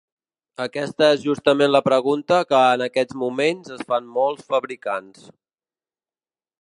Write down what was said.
Aquesta és justament la pregunta que en aquests moments es fan molts fabricants.